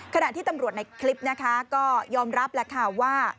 ขณะที่ตำรวจในคลิปนะคะก็ยอมรับแหละค่ะว่า